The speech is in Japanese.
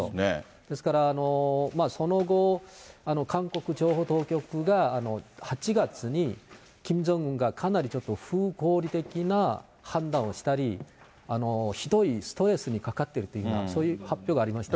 ですから、その後、韓国情報当局が８月にキム・ジョンウンがかなりちょっと不合理的な判断をしたり、ひどいストレスにかかってるというふうな、そういう発表がありました。